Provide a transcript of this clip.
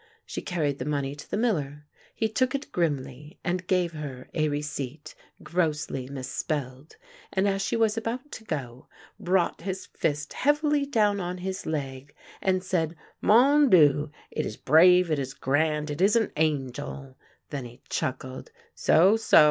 She carried the money to the miller. He took it grimly, and gave her a receipt, grossly mis spelled, and, as she was about to go, brought his fist heavily down on his leg and said: " Mon Dicu! It is brave — it is grand — it is an angel." Then he chuckled: " So, so!